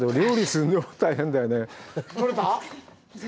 取れた？